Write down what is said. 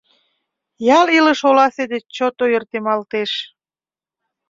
Ял илыш оласе деч чот ойыртемалтеш.